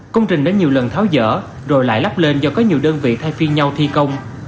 công trình đã nhiều lần tháo dở rồi lại lắp lên do có nhiều đơn vị thay phiên nhau thi công